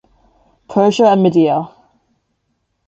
"Persia and Media".